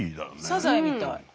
サザエみたい。